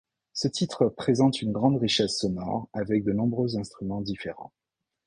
Ce titre présente une grande richesse sonore, avec de nombreux instruments différents.